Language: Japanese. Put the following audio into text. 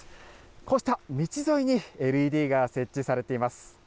こうした道沿いにＬＥＤが設置されています。